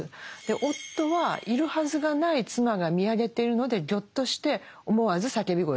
夫はいるはずがない妻が見上げているのでぎょっとして思わず叫び声を上げたと。